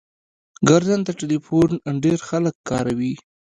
ګرځنده ټلیفون ډیر خلګ کاروي